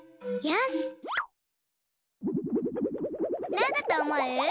なんだとおもう？